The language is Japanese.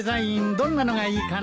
どんなのがいいかな？